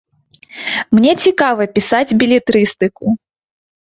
Мне цікава пісаць белетрыстыку.